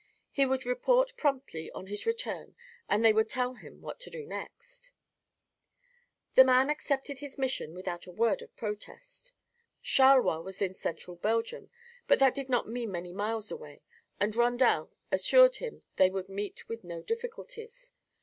He would report promptly on his return and they would tell him what to do next. The man accepted the mission without a word of protest. Charleroi was in central Belgium, but that did not mean many miles away and Rondel assured him they would meet with no difficulties.